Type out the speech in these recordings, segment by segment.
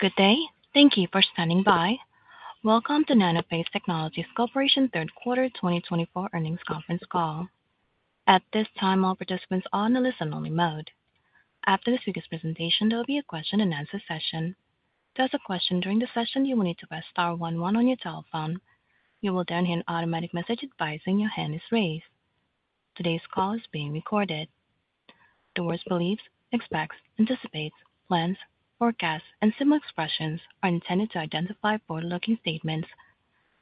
Good day, thank you for standing by. Welcome to Nanophase Technologies Corporation Third Quarter 2024 Earnings Conference Call. At this time, all participants are on the listen-only mode. After this speaker's presentation, there will be a question and answer session. To ask a question during the session, you will need to press star one one on your telephone. You will then hear an automatic message advising your hand is raised. Today's call is being recorded. The words beliefs, expects, anticipates, plans, forecasts, and similar expressions are intended to identify forward-looking statements.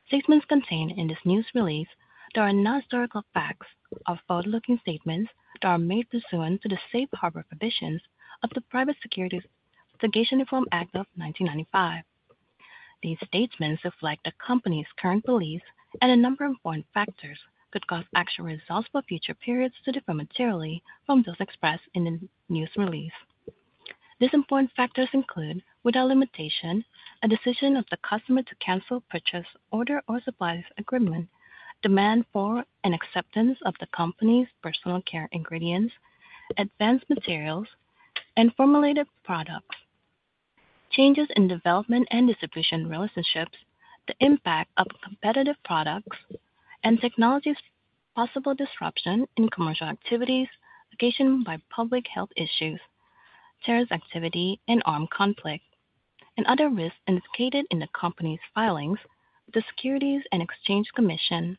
Statements contained in this news release that are not historical facts or forward-looking statements that are made pursuant to the Safe Harbor Provisions of the Private Securities Litigation Reform Act of 1995. These statements reflect a company's current beliefs and a number of important factors that cause actual results for future periods to differ materially from those expressed in the news release. These important factors include, without limitation, a decision of the customer to cancel purchase order or supplies agreement, demand for and acceptance of the company's personal care ingredients, advanced materials and formulated products, changes in development and distribution relationships, the impact of competitive products and technology's possible disruption in commercial activities, occasioned by public health issues, terrorist activity, and armed conflict, and other risks indicated in the company's filings with the Securities and Exchange Commission.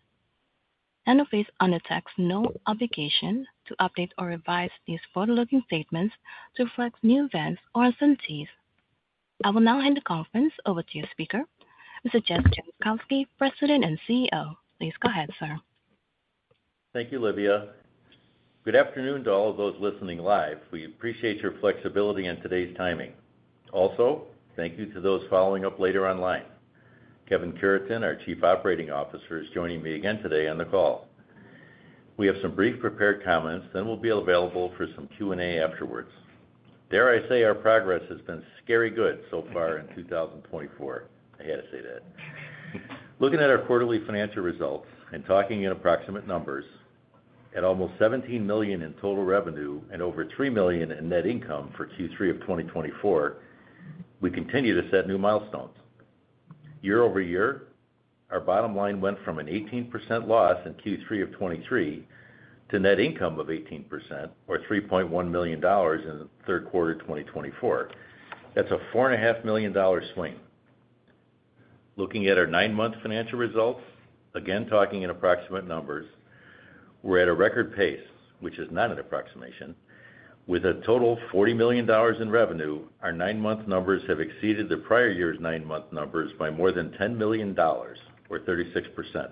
Nanophase undertakes no obligation to update or revise these forward-looking statements to reflect new events or uncertainties. I will now hand the conference over to your speaker, Mr. Jess Jankowski, President and CEO. Please go ahead, sir. Thank you, Livia. Good afternoon to all of those listening live. We appreciate your flexibility and today's timing. Also, thank you to those following up later online. Kevin Cureton, our Chief Operating Officer, is joining me again today on the call. We have some brief prepared comments that will be available for some Q&A afterwards. Dare I say our progress has been scary good so far in 2024. I had to say that. Looking at our quarterly financial results and talking in approximate numbers, at almost $17 million in total revenue and over $3 million in net income for Q3 of 2024, we continue to set new milestones. Year-over-year, our bottom line went from an 18% loss in Q3 of 2023 to net income of 18% or $3.1 million in third quarter 2024. That's a $4.5 million swing. Looking at our nine-month financial results, again talking in approximate numbers, we're at a record pace, which is not an approximation. With a total of $40 million in revenue, our nine-month numbers have exceeded the prior year's nine-month numbers by more than $10 million or 36%.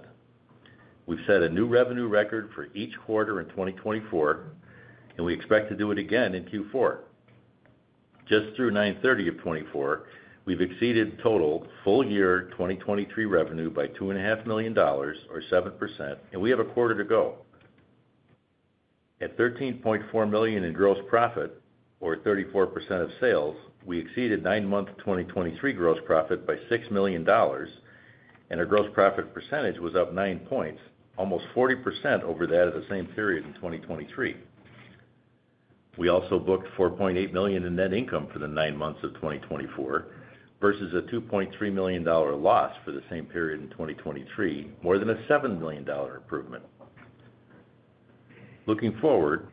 We've set a new revenue record for each quarter in 2024, and we expect to do it again in Q4. Just through 9/30 of 2024, we've exceeded total full-year 2023 revenue by $2.5 million or 7%, and we have a quarter to go. At $13.4 million in gross profit or 34% of sales, we exceeded nine-month 2023 gross profit by $6 million, and our gross profit percentage was up nine points, almost 40% over that of the same period in 2023. We also booked $4.8 million in net income for the nine months of 2024 versus a $2.3 million loss for the same period in 2023, more than a $7 million improvement. Looking forward,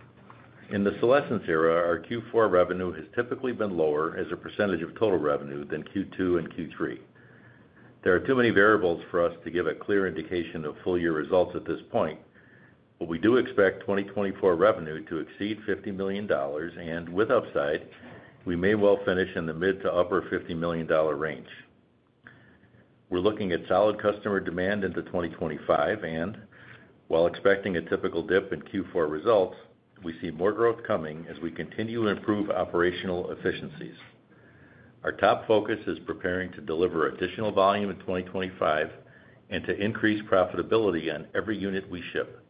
in the Solésence era, our Q4 revenue has typically been lower as a percentage of total revenue than Q2 and Q3. There are too many variables for us to give a clear indication of full-year results at this point, but we do expect 2024 revenue to exceed $50 million, and with upside, we may well finish in the mid- to upper- $50 million range. We're looking at solid customer demand into 2025, and while expecting a typical dip in Q4 results, we see more growth coming as we continue to improve operational efficiencies. Our top focus is preparing to deliver additional volume in 2025 and to increase profitability on every unit we ship.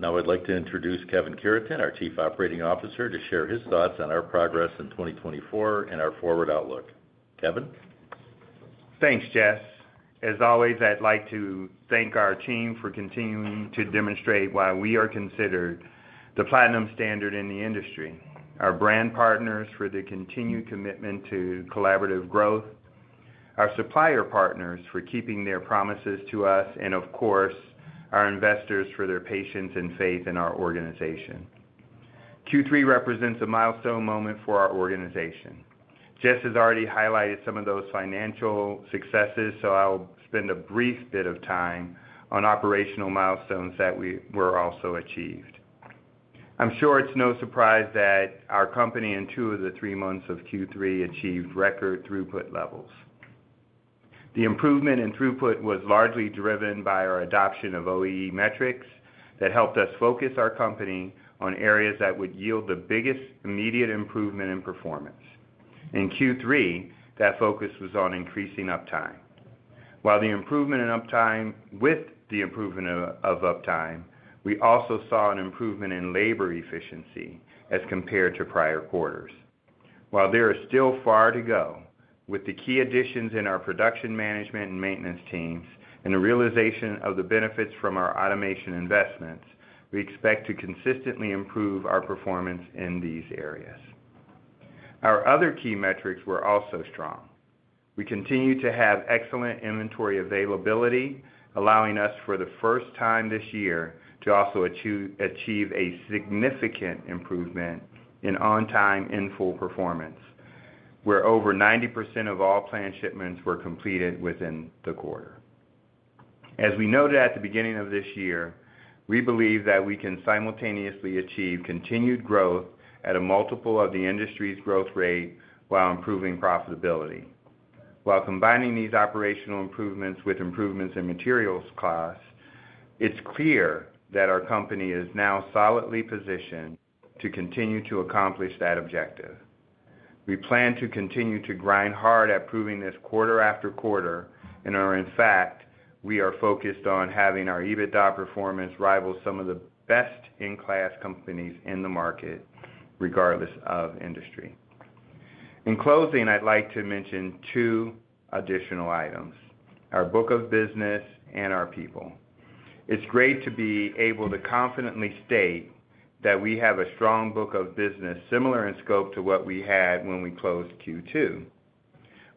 Now, I'd like to introduce Kevin Cureton, our Chief Operating Officer, to share his thoughts on our progress in 2024 and our forward outlook. Kevin. Thanks, Jess. As always, I'd like to thank our team for continuing to demonstrate why we are considered the platinum standard in the industry, our brand partners for the continued commitment to collaborative growth, our supplier partners for keeping their promises to us, and of course, our investors for their patience and faith in our organization. Q3 represents a milestone moment for our organization. Jess has already highlighted some of those financial successes, so I'll spend a brief bit of time on operational milestones that we've also achieved. I'm sure it's no surprise that our company in two of the three months of Q3 achieved record throughput levels. The improvement in throughput was largely driven by our adoption of OEE metrics that helped us focus our company on areas that would yield the biggest immediate improvement in performance. In Q3, that focus was on increasing uptime. While the improvement in uptime, we also saw an improvement in labor efficiency as compared to prior quarters. While there is still far to go, with the key additions in our production management and maintenance teams and the realization of the benefits from our automation investments, we expect to consistently improve our performance in these areas. Our other key metrics were also strong. We continue to have excellent inventory availability, allowing us for the first time this year to also achieve a significant improvement in on-time in full performance, where over 90% of all planned shipments were completed within the quarter. As we noted at the beginning of this year, we believe that we can simultaneously achieve continued growth at a multiple of the industry's growth rate while improving profitability. While combining these operational improvements with improvements in materials costs, it's clear that our company is now solidly positioned to continue to accomplish that objective. We plan to continue to grind hard at proving this quarter-after-quarter, and in fact, we are focused on having our EBITDA performance rival some of the best-in-class companies in the market, regardless of industry. In closing, I'd like to mention two additional items: our book of business and our people. It's great to be able to confidently state that we have a strong book of business similar in scope to what we had when we closed Q2.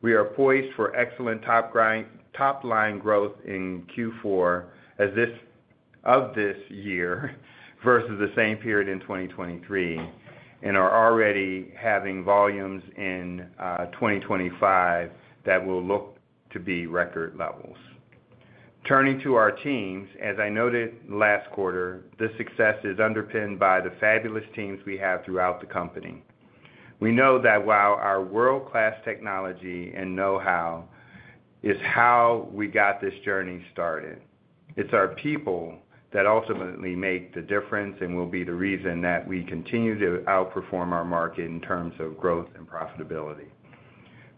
We are poised for excellent top-line growth in Q4 of this year versus the same period in 2023, and are already having volumes in 2025 that will look to be record levels. Turning to our teams, as I noted last quarter, this success is underpinned by the fabulous teams we have throughout the company. We know that while our world-class technology and know-how is how we got this journey started, it's our people that ultimately make the difference and will be the reason that we continue to outperform our market in terms of growth and profitability.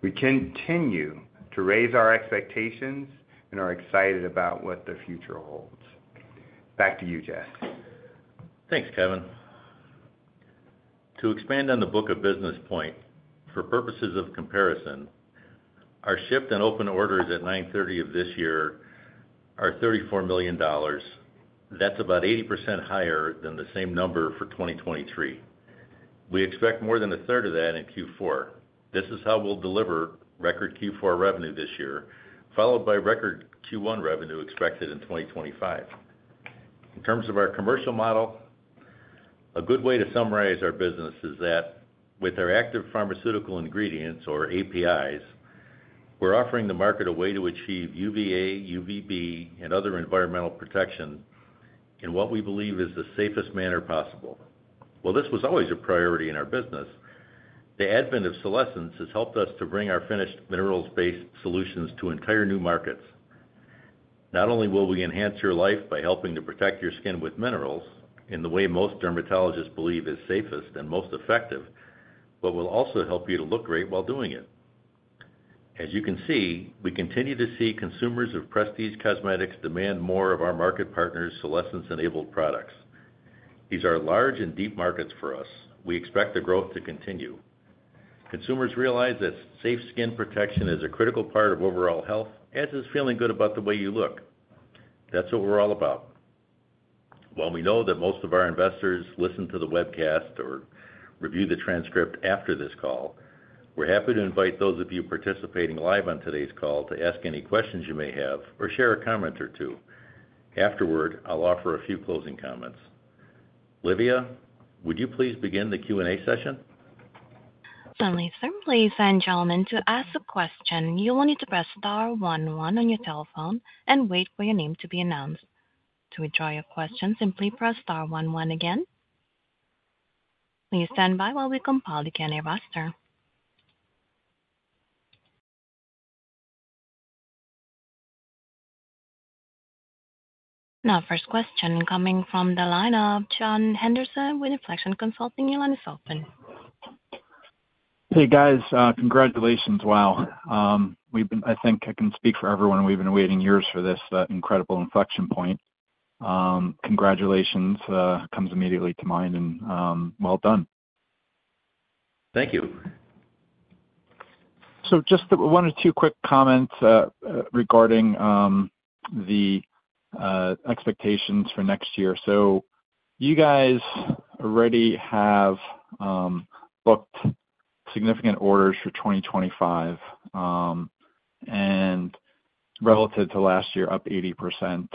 We continue to raise our expectations and are excited about what the future holds. Back to you, Jess. Thanks, Kevin. To expand on the book of business point, for purposes of comparison, our shipped and open orders at 9/30 of this year are $34 million. That's about 80% higher than the same number for 2023. We expect more than a third of that in Q4. This is how we'll deliver record Q4 revenue this year, followed by record Q1 revenue expected in 2025. In terms of our commercial model, a good way to summarize our business is that with our active pharmaceutical ingredients or APIs, we're offering the market a way to achieve UVA, UVB, and other environmental protection in what we believe is the safest manner possible. While this was always a priority in our business, the advent of Solésence has helped us to bring our finished minerals-based solutions to entire new markets. Not only will we enhance your life by helping to protect your skin with minerals in the way most dermatologists believe is safest and most effective, but we'll also help you to look great while doing it. As you can see, we continue to see consumers of prestige cosmetics demand more of our market partners' Solésence-enabled products. These are large and deep markets for us. We expect the growth to continue. Consumers realize that safe skin protection is a critical part of overall health, as is feeling good about the way you look. That's what we're all about. While we know that most of our investors listen to the webcast or review the transcript after this call, we're happy to invite those of you participating live on today's call to ask any questions you may have or share a comment or two. Afterward, I'll offer a few closing comments. Livia, would you please begin the Q&A session? Finally, so please, ladies and gentlemen, to ask a question, you will need to press star one one on your telephone and wait for your name to be announced. To withdraw your question, simply press star one one again. Please stand by while we compile the candidate roster. Now, first question coming from the line of John Henderson with Inflection Consulting. Your line is open. Hey, guys. Congratulations. Wow. I think I can speak for everyone. We've been waiting years for this incredible inflection point. Congratulations comes immediately to mind, and well done. Thank you. So just one or two quick comments regarding the expectations for next year. So you guys already have booked significant orders for 2025, and relative to last year, up 80%.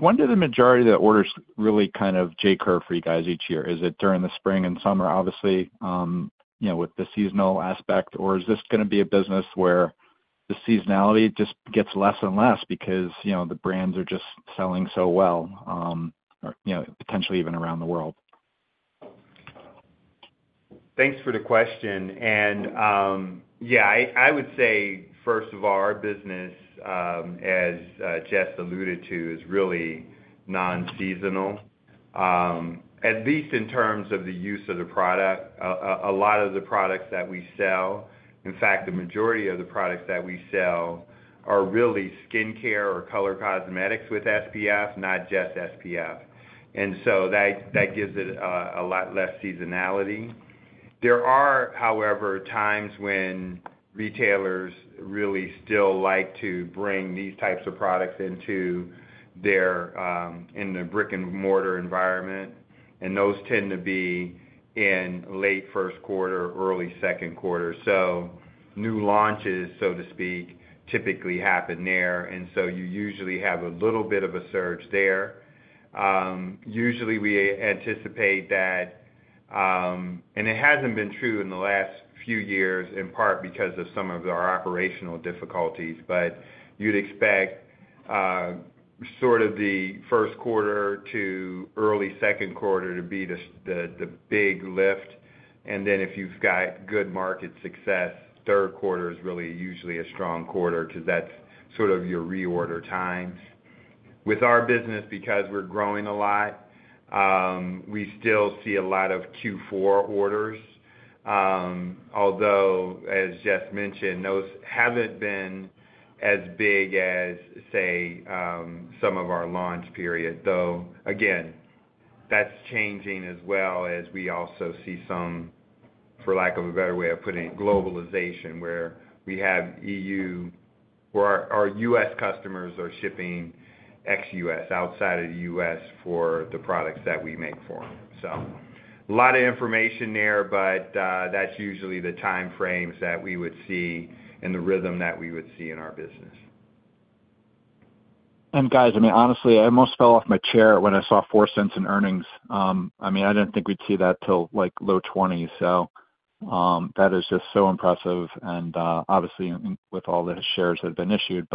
When did the majority of the orders really kind of J-curve for you guys each year? Is it during the spring and summer, obviously, with the seasonal aspect, or is this going to be a business where the seasonality just gets less and less because the brands are just selling so well, potentially even around the world? Thanks for the question, and yeah, I would say, first of all, our business, as Jess alluded to, is really non-seasonal, at least in terms of the use of the product. A lot of the products that we sell, in fact, the majority of the products that we sell are really skincare or color cosmetics with SPF, not just SPF. And so that gives it a lot less seasonality. There are, however, times when retailers really still like to bring these types of products into their brick-and-mortar environment, and those tend to be in late first quarter, early second quarter. So new launches, so to speak, typically happen there, and so you usually have a little bit of a surge there. Usually, we anticipate that, and it hasn't been true in the last few years, in part because of some of our operational difficulties, but you'd expect sort of the first quarter to early second quarter to be the big lift, and then if you've got good market success, third quarter is really usually a strong quarter because that's sort of your reorder times. With our business, because we're growing a lot, we still see a lot of Q4 orders, although, as Jess mentioned, those haven't been as big as, say, some of our launch period. Though, again, that's changing as well as we also see some, for lack of a better way of putting it, globalization, where we have EU or our U.S. customers are shipping ex-U.S., outside of the U.S., for the products that we make for them. A lot of information there, but that's usually the time frames that we would see and the rhythm that we would see in our business. Guys, I mean, honestly, I almost fell off my chair when I saw Solésence in earnings. I mean, I didn't think we'd see that till low 20s. That is just so impressive, and obviously, with all the shares that have been issued.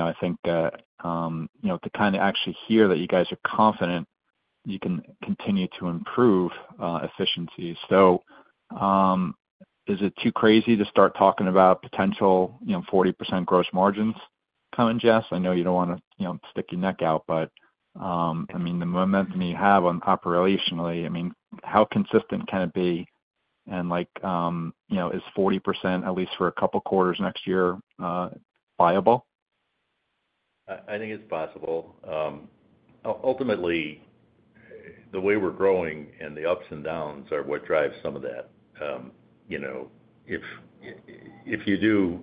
I think to kind of actually hear that you guys are confident you can continue to improve efficiencies. Is it too crazy to start talking about potential 40% gross margins coming, Jess? I know you don't want to stick your neck out, but I mean, the momentum you have operationally, I mean, how consistent can it be? And is 40%, at least for a couple of quarters next year, viable? I think it's possible. Ultimately, the way we're growing and the ups and downs are what drives some of that. If you do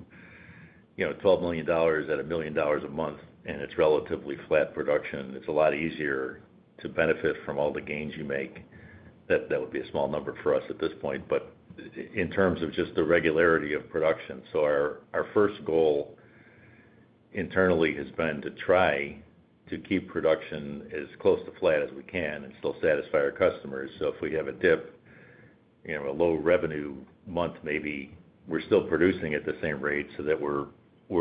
$12 million at $1 million a month and it's relatively flat production, it's a lot easier to benefit from all the gains you make. That would be a small number for us at this point, but in terms of just the regularity of production, so our first goal internally has been to try to keep production as close to flat as we can and still satisfy our customers, so if we have a dip, a low revenue month, maybe we're still producing at the same rate so that we're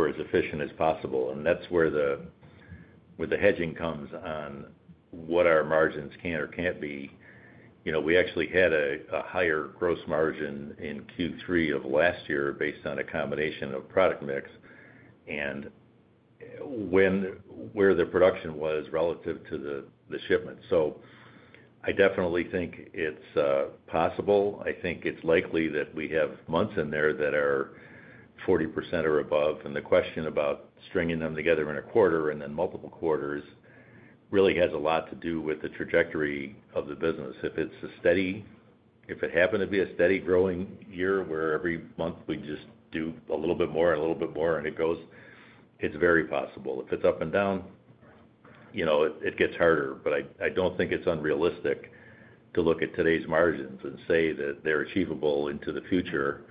as efficient as possible, and that's where the hedging comes on what our margins can or can't be. We actually had a higher gross margin in Q3 of last year based on a combination of product mix and where the production was relative to the shipment. So I definitely think it's possible. I think it's likely that we have months in there that are 40% or above. And the question about stringing them together in a quarter and then multiple quarters really has a lot to do with the trajectory of the business. If it's a steady, if it happened to be a steady growing year where every month we just do a little bit more and a little bit more and it goes, it's very possible. If it's up and down, it gets harder. But I don't think it's unrealistic to look at today's margins and say that they're achievable into the future,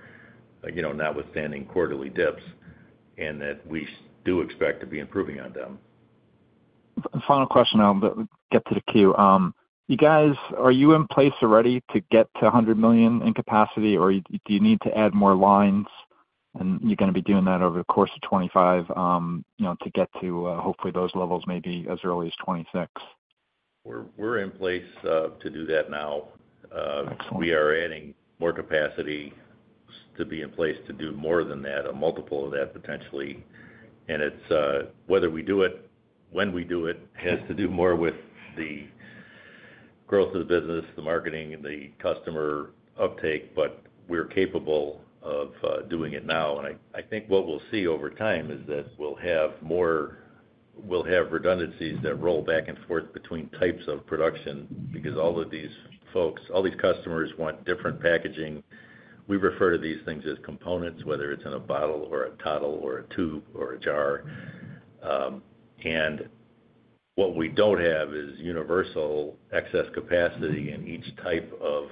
notwithstanding quarterly dips, and that we do expect to be improving on them. Final question. I'll get to the queue. You guys, are you in place already to get to 100 million in capacity, or do you need to add more lines, and you're going to be doing that over the course of 2025 to get to, hopefully, those levels, maybe as early as 2026? We're in place to do that now. We are adding more capacity to be in place to do more than that, a multiple of that potentially. And it's whether we do it, when we do it, has to do more with the growth of the business, the marketing, and the customer uptake. But we're capable of doing it now. And I think what we'll see over time is that we'll have more, we'll have redundancies that roll back and forth between types of production because all of these folks, all these customers want different packaging. We refer to these things as components, whether it's in a bottle or a tottle or a tube or a jar. And what we don't have is universal excess capacity in each type of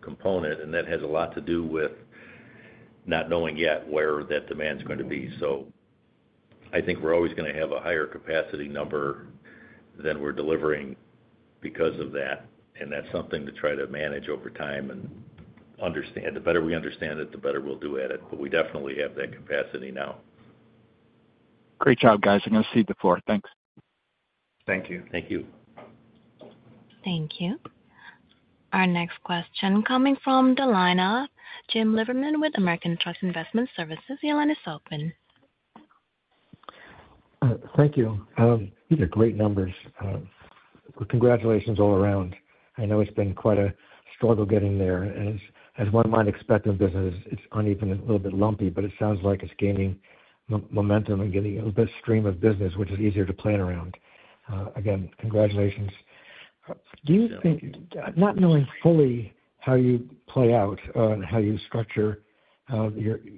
component. And that has a lot to do with not knowing yet where that demand's going to be. So I think we're always going to have a higher capacity number than we're delivering because of that. And that's something to try to manage over time and understand. The better we understand it, the better we'll do at it. But we definitely have that capacity now. Great job, guys. I'm going to see the floor. Thanks. Thank you. Thank you. Thank you. Our next question coming from the line of James Lieberman with American Trust Investment Services. Your line is open. Thank you. These are great numbers. Congratulations all around. I know it's been quite a struggle getting there. As one might expect in business, it's uneven, a little bit lumpy, but it sounds like it's gaining momentum and getting a little bit of stream of business, which is easier to plan around. Again, congratulations. Do you think, not knowing fully how you play out and how you structure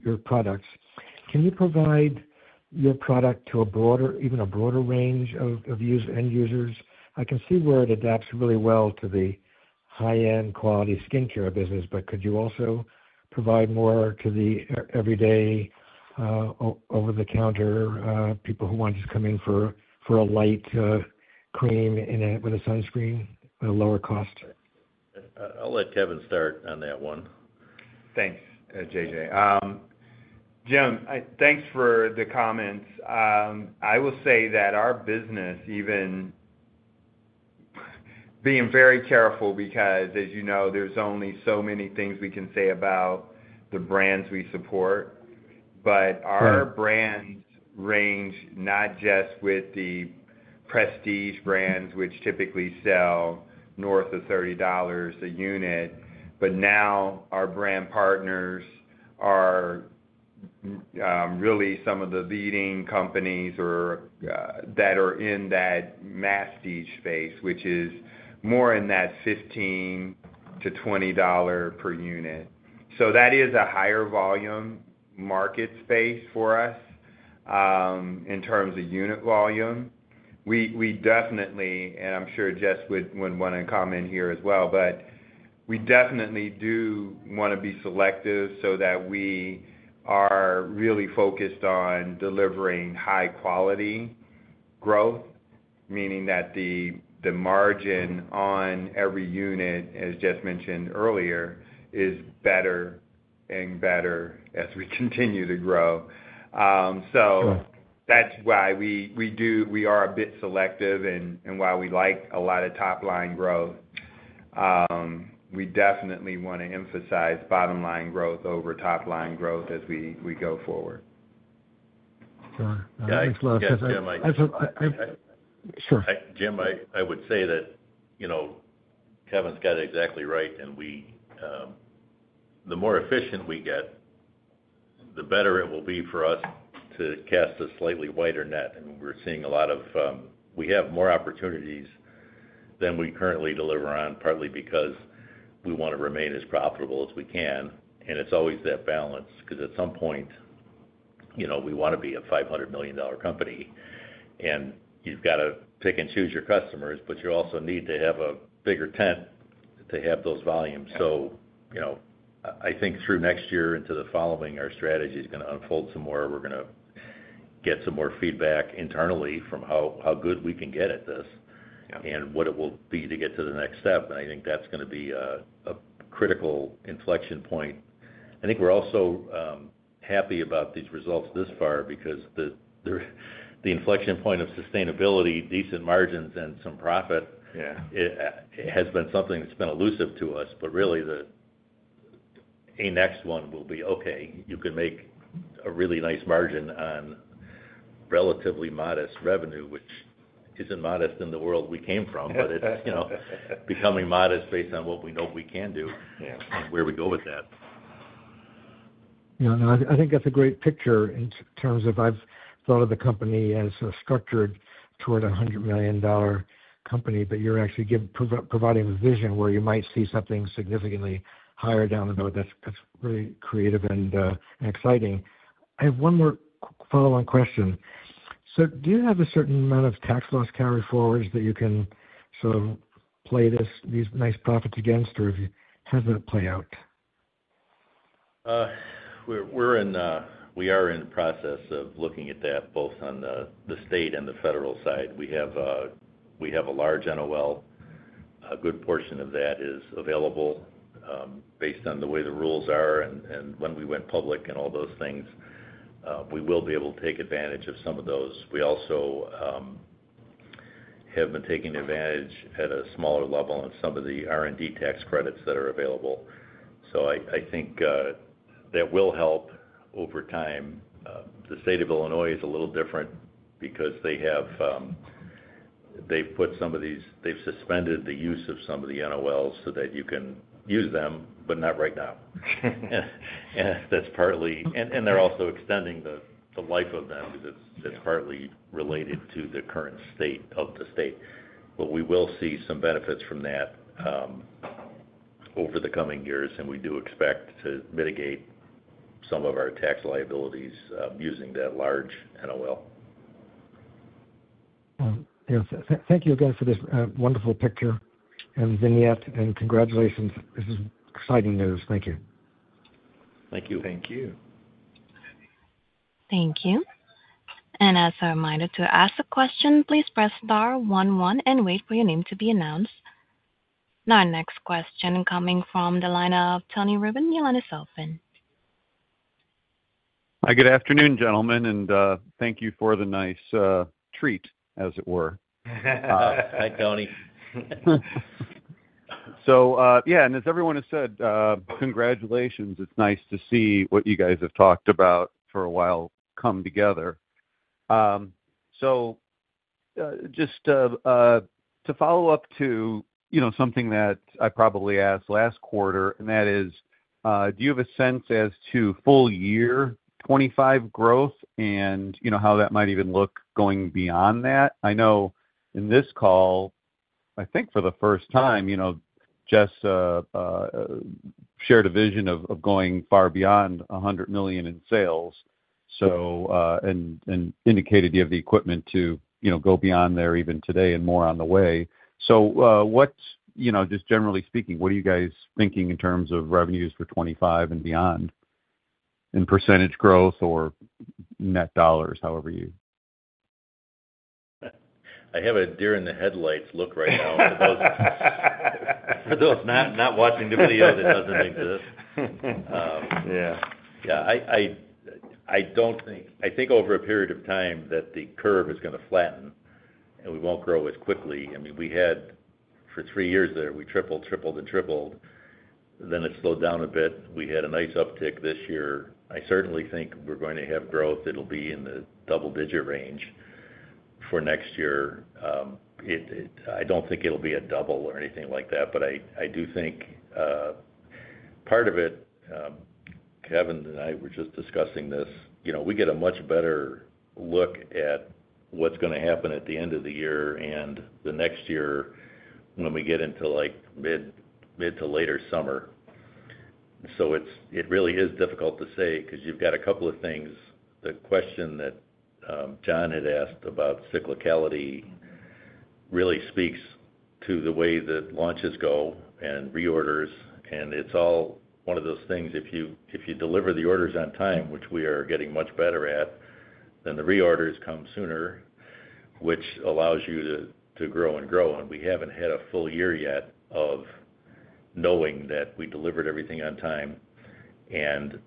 your products, can you provide your product to even a broader range of end users? I can see where it adapts really well to the high-end quality skincare business, but could you also provide more to the everyday over-the-counter people who want to just come in for a light cream with a sunscreen, a lower cost? I'll let Kevin start on that one. Thanks, JJ. James, thanks for the comments. I will say that our business, even being very careful because, as you know, there's only so many things we can say about the brands we support. But our brands range not just with the prestige brands, which typically sell north of $30 a unit, but now our brand partners are really some of the leading companies that are in that mass market space, which is more in that $15-$20 per unit. So that is a higher volume market space for us in terms of unit volume. We definitely, and I'm sure Jess would want to comment here as well, but we definitely do want to be selective so that we are really focused on delivering high-quality growth, meaning that the margin on every unit, as Jess mentioned earlier, is better and better as we continue to grow, so that's why we are a bit selective and why we like a lot of top-line growth. We definitely want to emphasize bottom-line growth over top-line growth as we go forward. Sure. Thanks, Jess. Jess, you had a mic. Sure. James, I would say that Kevin's got it exactly right, and the more efficient we get, the better it will be for us to cast a slightly wider net. We're seeing a lot of, we have more opportunities than we currently deliver on, partly because we want to remain as profitable as we can. It's always that balance because at some point, we want to be a $500 million company. You've got to pick and choose your customers, but you also need to have a bigger tent to have those volumes. I think through next year into the following, our strategy is going to unfold some more. We're going to get some more feedback internally from how good we can get at this and what it will be to get to the next step. I think that's going to be a critical inflection point. I think we're also happy about these results this far because the inflection point of sustainability, decent margins, and some profit has been something that's been elusive to us. But really, the next one will be, "Okay, you can make a really nice margin on relatively modest revenue," which isn't modest in the world we came from, but it's becoming modest based on what we know we can do and where we go with that. Yeah. No, I think that's a great picture in terms of I've thought of the company as structured toward a $100 million company, but you're actually providing a vision where you might see something significantly higher down the road. That's really creative and exciting. I have one more follow-on question. So do you have a certain amount of tax loss carry forward that you can sort of play these nice profits against, or how does that play out? We are in the process of looking at that both on the state and the federal side. We have a large NOL. A good portion of that is available based on the way the rules are and when we went public and all those things. We will be able to take advantage of some of those. We also have been taking advantage at a smaller level of some of the R&D tax credits that are available. So I think that will help over time. The state of Illinois is a little different because they've put some of these, they've suspended the use of some of the NOLs so that you can use them, but not right now, and they're also extending the life of them because it's partly related to the current state of the state, but we will see some benefits from that over the coming years. We do expect to mitigate some of our tax liabilities using that large NOL. Thank you again for this wonderful picture and vignette. And congratulations. This is exciting news. Thank you. Thank you. Thank you. Thank you. And as a reminder to ask a question, please press star one one and wait for your name to be announced. Now, our next question coming from the line of Tony Riven. Your line is open. Good afternoon, gentlemen. And thank you for the nice treat, as it were. Hi, Tony. So yeah. And as everyone has said, congratulations. It's nice to see what you guys have talked about for a while come together. So just to follow up to something that I probably asked last quarter, and that is, do you have a sense as to full-year 2025 growth and how that might even look going beyond that? I know in this call, I think for the first time, Jess shared a vision of going far beyond 100 million in sales and indicated you have the equipment to go beyond there even today and more on the way. So just generally speaking, what are you guys thinking in terms of revenues for 2025 and beyond in percentage growth or net dollars, however you? I have a deer in the headlights look right now for those not watching the video that doesn't exist. Yeah. I think over a period of time that the curve is going to flatten, and we won't grow as quickly. I mean, we had for three years there, we tripled, tripled, and tripled. Then it slowed down a bit. We had a nice uptick this year. I certainly think we're going to have growth. It'll be in the double-digit range for next year. I don't think it'll be a double or anything like that. But I do think part of it, Kevin and I were just discussing this, we get a much better look at what's going to happen at the end of the year and the next year when we get into mid to later summer. So it really is difficult to say because you've got a couple of things. The question that John had asked about cyclicality really speaks to the way that launches go and reorders. And it's all one of those things. If you deliver the orders on time, which we are getting much better at, then the reorders come sooner, which allows you to grow and grow. And we haven't had a full year yet of knowing that we delivered everything on time. And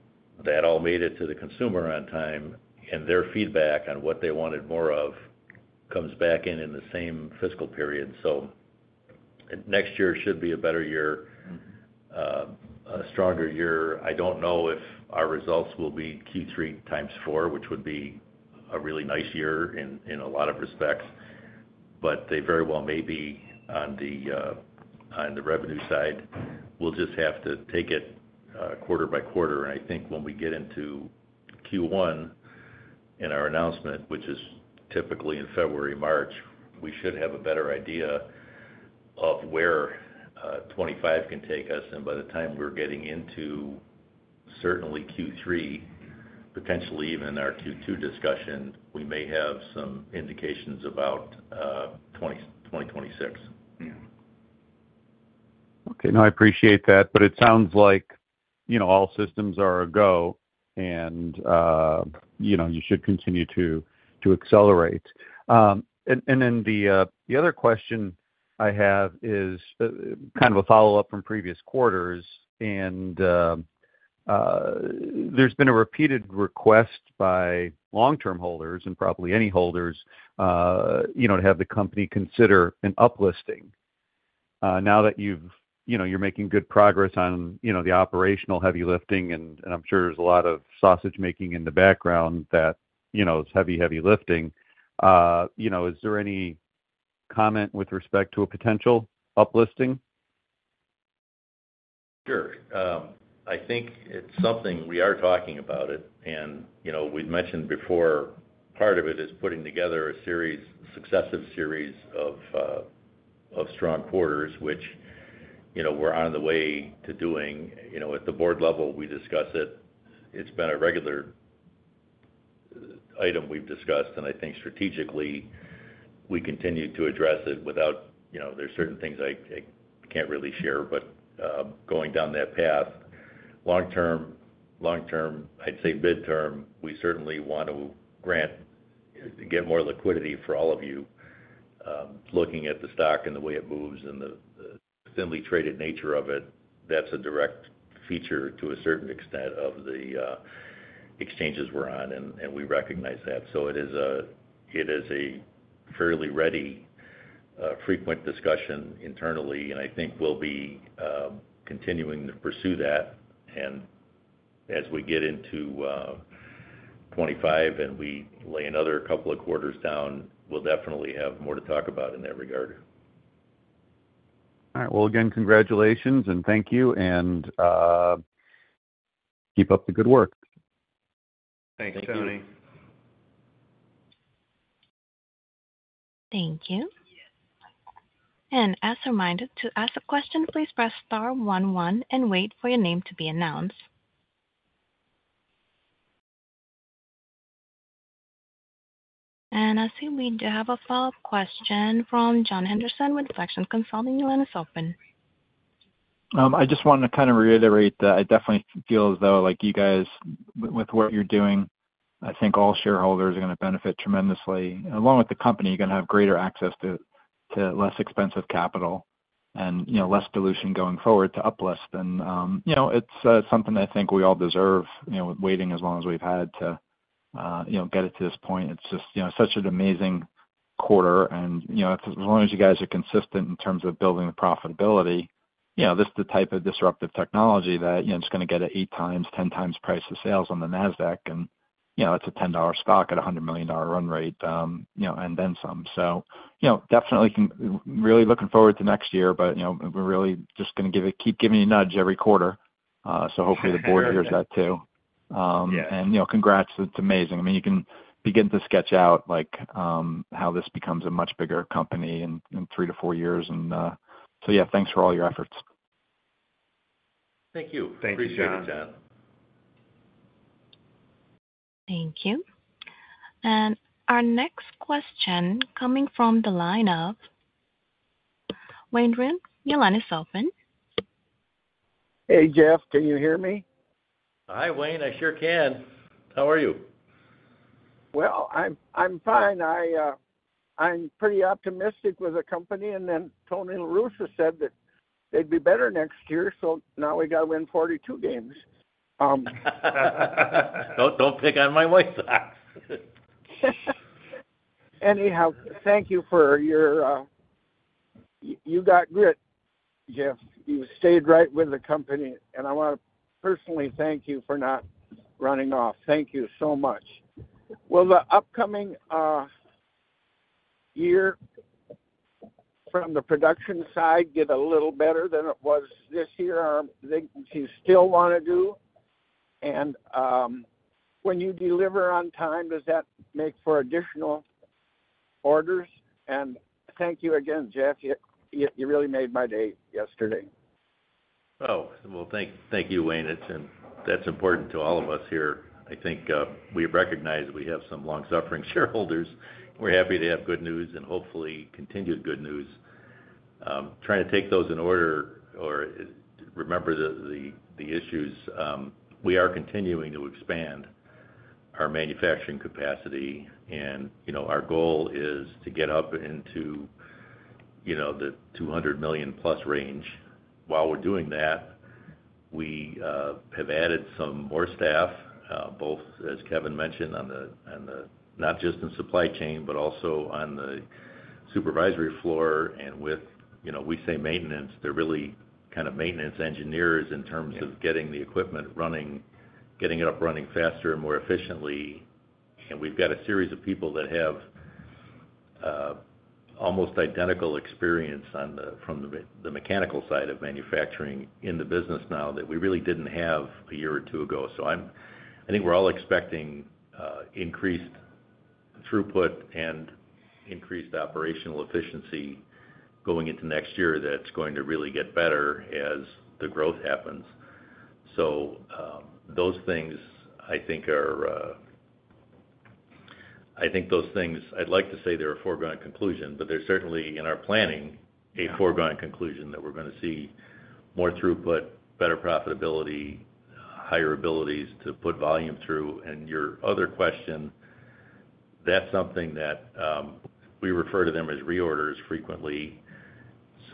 that all made it to the consumer on time. And their feedback on what they wanted more of comes back in in the same fiscal period. So next year should be a better year, a stronger year. I don't know if our results will be Q3 times 4, which would be a really nice year in a lot of respects. They very well may be on the revenue side. We'll just have to take it quarter by quarter. And I think when we get into Q1 in our announcement, which is typically in February, March, we should have a better idea of where 2025 can take us. And by the time we're getting into certainly Q3, potentially even our Q2 discussion, we may have some indications about 2026. Okay. No, I appreciate that. But it sounds like all systems are a go, and you should continue to accelerate. And then the other question I have is kind of a follow-up from previous quarters. And there's been a repeated request by long-term holders and probably any holders to have the company consider an uplisting. Now that you're making good progress on the operational heavy lifting, and I'm sure there's a lot of sausage-making in the background that is heavy, heavy lifting, is there any comment with respect to a potential uplisting? Sure. I think it's something we are talking about, and we've mentioned before, part of it is putting together a successive series of strong quarters, which we're on the way to doing. At the board level, we discuss it. It's been a regular item we've discussed, and I think strategically, we continue to address it without, there's certain things I can't really share, but going down that path, long-term, I'd say midterm, we certainly want to get more liquidity for all of you. Looking at the stock and the way it moves and the thinly traded nature of it, that's a direct feature to a certain extent of the exchanges we're on, and we recognize that, so it is a fairly ready, frequent discussion internally, and I think we'll be continuing to pursue that. As we get into 2025 and we lay another couple of quarters down, we'll definitely have more to talk about in that regard. All right, well, again, congratulations, and thank you, and keep up the good work. Thanks, Tony. Thank you. And as a reminder, to ask a question, please press star one one and wait for your name to be announced. And I see we do have a follow-up question from John Henderson with Inflection Consulting. Your line is open. I just want to kind of reiterate that I definitely feel as though you guys, with what you're doing, I think all shareholders are going to benefit tremendously. Along with the company, you're going to have greater access to less expensive capital and less dilution going forward to uplist, and it's something I think we all deserve, waiting as long as we've had to get it to this point. It's just such an amazing quarter, and as long as you guys are consistent in terms of building the profitability, this is the type of disruptive technology that it's going to get at eight times, 10 times price of sales on the Nasdaq, and it's a $10 stock at a $100 million run rate and then some, so definitely really looking forward to next year, but we're really just going to keep giving you a nudge every quarter. So hopefully, the board hears that too. And congrats. It's amazing. I mean, you can begin to sketch out how this becomes a much bigger company in three to four years. And so yeah, thanks for all your efforts. Thank you. Appreciate it, John. Thank you. And our next question coming from the line of Wayne Riven. Your line is open. Hey, Jess. Can you hear me? Hi, Wayne. I sure can. How are you? Well, I'm fine. I'm pretty optimistic with the company. And then Tony La Russa said that they'd be better next year. So now we got to win 42 games. Don't pick on my voice box. Anyhow, thank you for your. You got grit, Jess. You stayed right with the company, and I want to personally thank you for not running off. Thank you so much. Will the upcoming year from the production side get a little better than it was this year? Do you still want to do? And when you deliver on time, does that make for additional orders, and thank you again, Jess. You really made my day yesterday. Oh, well, thank you, Wayne. That's important to all of us here. I think we recognize we have some long-suffering shareholders. We're happy to have good news and hopefully continued good news. Trying to take those in order or remember the issues. We are continuing to expand our manufacturing capacity, and our goal is to get up into the 200 million-plus range. While we're doing that, we have added some more staff, both, as Kevin mentioned, not just in supply chain, but also on the supervisory floor, and with what we say maintenance, they're really kind of maintenance engineers in terms of getting the equipment running, getting it up running faster and more efficiently, and we've got a series of people that have almost identical experience from the mechanical side of manufacturing in the business now that we really didn't have a year or two ago. I think we're all expecting increased throughput and increased operational efficiency going into next year. That's going to really get better as the growth happens. Those things, I think, are-I think those things. I'd like to say they're a foregone conclusion, but they're certainly in our planning, a foregone conclusion that we're going to see more throughput, better profitability, higher abilities to put volume through. Your other question, that's something that we refer to them as reorders frequently.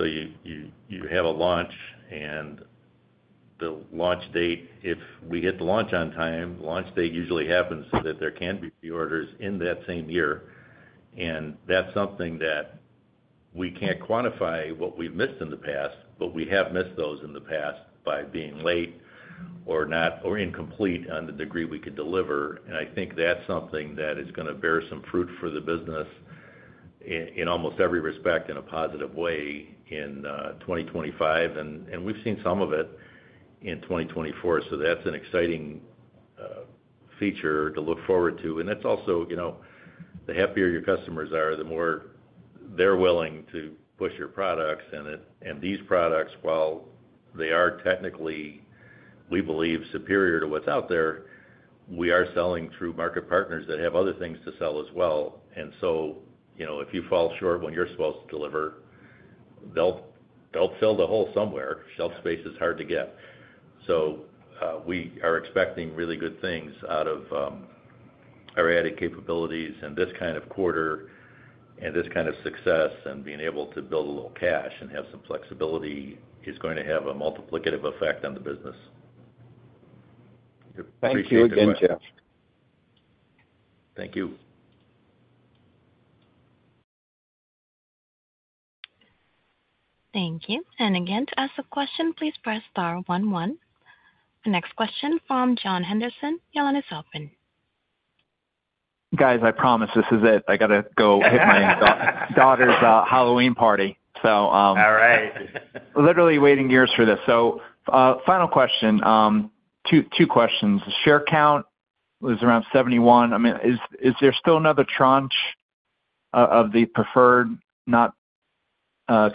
You have a launch, and the launch date, if we hit the launch on time, the launch date usually happens so that there can be reorders in that same year. That's something that we can't quantify what we've missed in the past, but we have missed those in the past by being late or incomplete on the degree we could deliver. And I think that's something that is going to bear some fruit for the business in almost every respect in a positive way in 2025. And we've seen some of it in 2024. So that's an exciting feature to look forward to. And that's also the happier your customers are, the more they're willing to push your products. And these products, while they are technically, we believe, superior to what's out there, we are selling through market partners that have other things to sell as well. And so if you fall short when you're supposed to deliver, they'll fill the hole somewhere. Shelf space is hard to get. So we are expecting really good things out of our added capabilities. This kind of quarter and this kind of success and being able to build a little cash and have some flexibility is going to have a multiplicative effect on the business. Thank you again, Jess. Thank you. Thank you, and again, to ask a question, please press star one one. The next question from John Henderson. Your line is open. Guys, I promise this is it. I got to go hit my daughter's Halloween party. So literally waiting years for this. So final question, two questions. Share count was around 71. I mean, is there still another tranche of the preferred not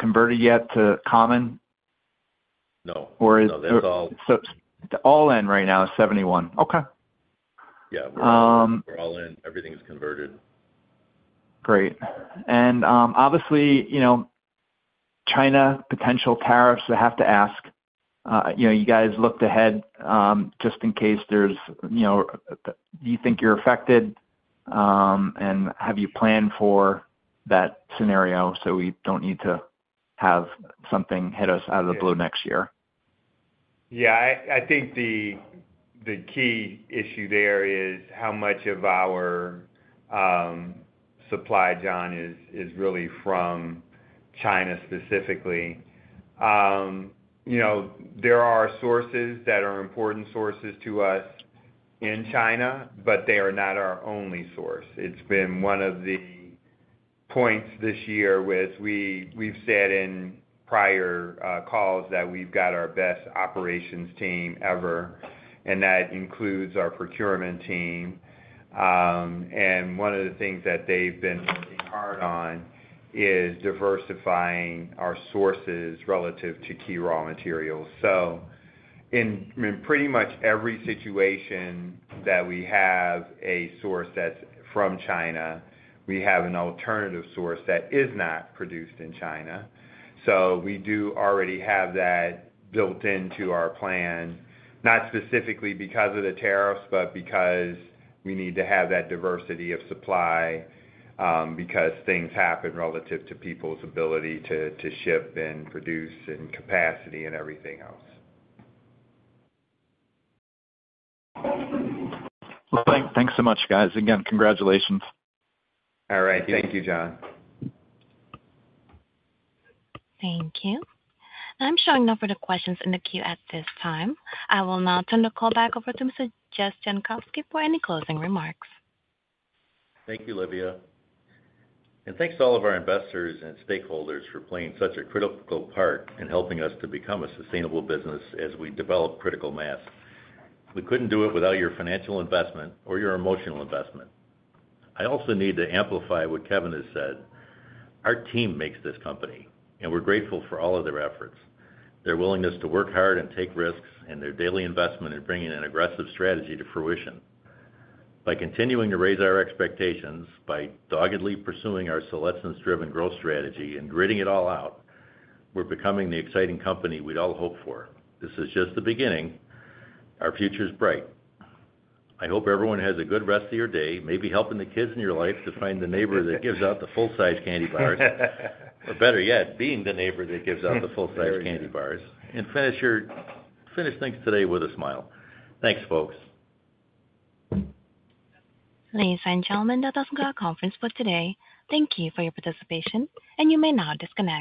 converted yet to common? No. No. They're all. All in right now is 71. Okay. Yeah. We're all in. Everything's converted. Great. And obviously, China, potential tariffs, I have to ask. You guys looked ahead just in case there's. Do you think you're affected? And have you planned for that scenario so we don't need to have something hit us out of the blue next year? Yeah. I think the key issue there is how much of our supply, John, is really from China specifically. There are sources that are important sources to us in China, but they are not our only source. It's been one of the points this year where we've said in prior calls that we've got our best operations team ever. And that includes our procurement team. And one of the things that they've been working hard on is diversifying our sources relative to key raw materials. So in pretty much every situation that we have a source that's from China, we have an alternative source that is not produced in China. So we do already have that built into our plan, not specifically because of the tariffs, but because we need to have that diversity of supply because things happen relative to people's ability to ship and produce and capacity and everything else. Thanks so much, guys. Again, congratulations. All right. Thank you, John. Thank you. I'm showing no further questions in the queue at this time. I will now turn the call back over to Mr. Jankowski for any closing remarks. Thank you, Livia. And thanks to all of our investors and stakeholders for playing such a critical part in helping us to become a sustainable business as we develop critical mass. We couldn't do it without your financial investment or your emotional investment. I also need to amplify what Kevin has said. Our team makes this company, and we're grateful for all of their efforts, their willingness to work hard and take risks, and their daily investment in bringing an aggressive strategy to fruition. By continuing to raise our expectations, by doggedly pursuing our Solésence-driven growth strategy, and gritting it all out, we're becoming the exciting company we'd all hoped for. This is just the beginning. Our future is bright. I hope everyone has a good rest of your day, maybe helping the kids in your life to find the neighbor that gives out the full-size candy bars, or better yet, being the neighbor that gives out the full-size candy bars, and finish things today with a smile. Thanks, folks. Ladies and gentlemen, that does conclude our conference for today. Thank you for your participation. And you may now disconnect.